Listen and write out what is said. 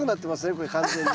これ完全に。